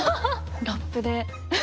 ラップで。